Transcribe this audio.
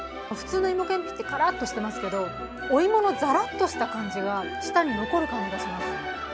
普通の芋けんぴってカラッとしていますけどお芋のざらっとした感じが舌に残る感じがします。